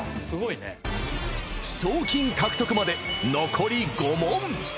すごいね賞金獲得まで残り５問！